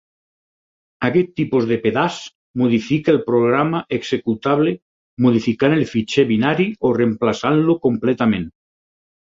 Aquest tipus de pedaç modifica el programa executable modificant el fitxer binari o reemplaçant-lo completament.